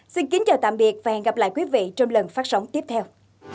xin kính chào tạm biệt và hẹn gặp lại quý vị trong lần phát sóng tiếp theo